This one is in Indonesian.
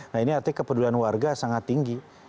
nah ini artinya kepedulian warga sangat tinggi